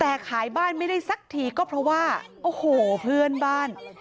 แต่ขายบ้านไม่ได้สักทีก็เพราะว่าโอ้โหเพื่อนบ้าน